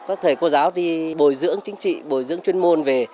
các thầy cô giáo đi bồi dưỡng chính trị bồi dưỡng chuyên môn về